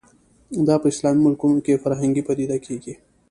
دا په اسلامي ملکونو کې فرهنګي پدیده کېږي